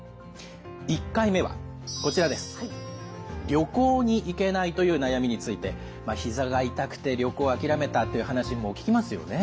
「旅行に行けない」という悩みについてひざが痛くて旅行を諦めたという話も聞きますよね。